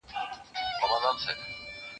زه پرون د سبا لپاره د نوي لغتونو يادوم!؟